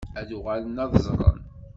Ad uɣalen ad ẓren.